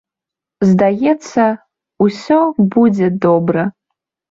Здаецца, усё будзе добра.